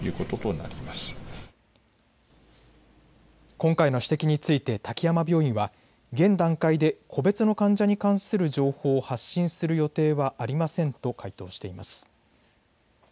今回の指摘について、滝山病院は現段階で個別の患者に関する情報を発信する予定はありませんと回答しています。